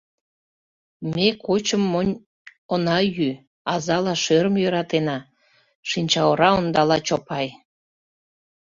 — Ме кочым монь она йӱ — азала шӧрым йӧратена, — шинчаора ондала Чопай.